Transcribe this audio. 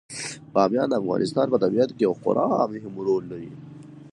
بامیان د افغانستان په طبیعت کې یو خورا مهم رول لري.